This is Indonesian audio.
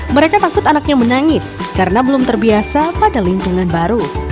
mereka takut anaknya menangis karena belum terbiasa pada lingkungan baru